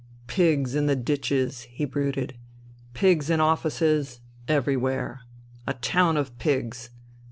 Pigs in the ditches," he brooded, " pigs in offices, everywhere. ... A town of pigs.